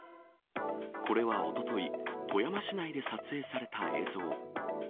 これはおととい、富山市内で撮影された映像。